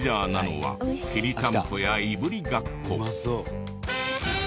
はい。